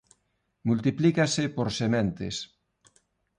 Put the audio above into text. Multiplícase por sementes.